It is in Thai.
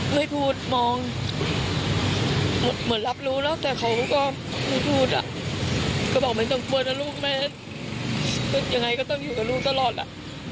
ไม่พูดมองเหมือนรับรู้แล้วแต่เขาก็ไม่พูดอ่ะก็บอกไม่สมควรนะลูกแม่ยังไงก็ต้องอยู่กับลูกตลอดอ่ะ